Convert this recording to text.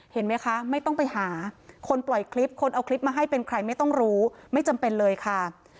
เห็นไหมคะไม่ต้องไปหาคนปล่อยคลิปคนเอาคลิปมาให้เป็นใครไม่ต้องรู้ไม่จำเป็นเลยค่ะ